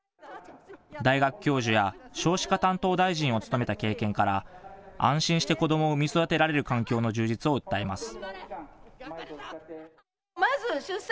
大学教授や少子化担当大臣を務めた経験から、安心して子どもを産み育てられる環境の充実を訴えます。